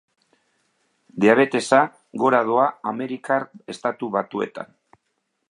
Diabetesa gora doa Amerikar Estatu Batuetan.